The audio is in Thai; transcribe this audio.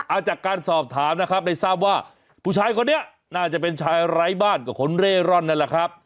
จากการสอบถามนะครับได้ทราบว่าผู้ชายคนนี้น่าจะเป็นชายไร้บ้านกับคนเร่ร่อนนั่นแหละครับ